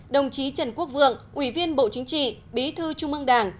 đồng chí trần quốc vượng ủy viên bộ chính trị bí thư trung ương đảng